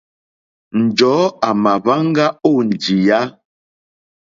Njɔ̀ɔ́ à mà hwáŋgá ó njìyá.